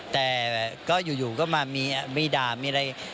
แต่ก็อยู่ก็มามีด่ามีอะไร